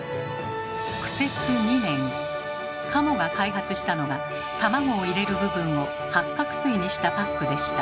苦節２年加茂が開発したのが卵を入れる部分を八角すいにしたパックでした。